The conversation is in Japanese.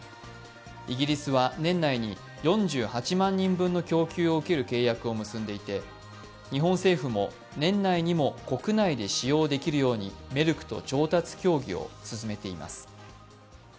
イギリスは年内に４８万人分の供給を受ける契約を結んでいて日本政府も年内にも国内で使用できるようにメルクと調達協議を進めています。